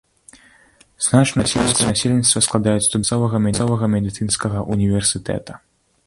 Значную частку насельніцтва складаюць студэнты мясцовага медыцынскага ўніверсітэта.